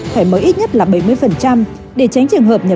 phải mới ít nhất là bảy mươi để tránh trường hợp nhập khẩu